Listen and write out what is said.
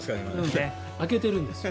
空けてるんですよ。